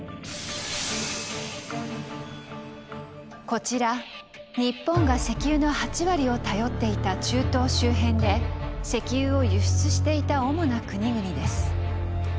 こちら日本が石油の８割を頼っていた中東周辺で石油を輸出していた主な国々です。